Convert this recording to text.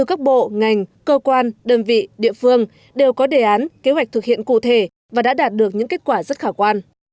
các bộ ngành cơ quan đơn vị địa phương đều có đề án kế hoạch thực hiện cụ thể và đã đạt được những kết quả rất khả quan